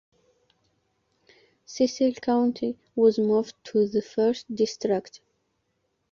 Cecil County was moved to the first district.